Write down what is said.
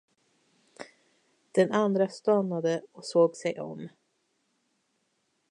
Den andra stannade och såg sig om.